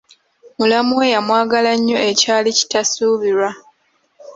Mulamu we yamwagala nnyo ekyali kitasuubirwa.